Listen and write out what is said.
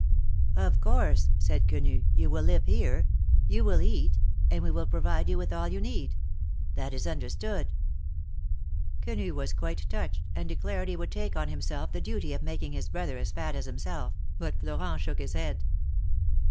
"Of course," said Quenu, "you will live here; you will cat, and we will provide you with all you need. That is understood." 82 THE MARKETS OF PARIS. Quenu was quite touched, and declared he would take on himself the duty of making his brother as fat as himself, but Florent shook his head.